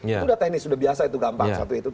itu udah teknis sudah biasa itu gampang satu itu